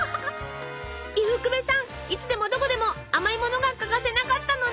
伊福部さんいつでもどこでも甘いものが欠かせなかったのね！